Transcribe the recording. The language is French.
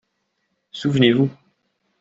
Souvenez-vous.